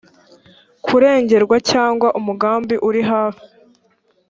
kurengerwa cyangwa umugambi uri hafi